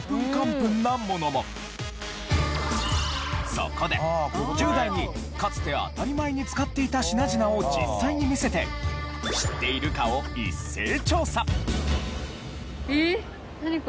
そこで１０代にかつて当たり前に使っていた品々を実際に見せて知っているかを一斉調査！